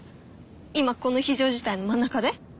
今この非常事態の真ん中で？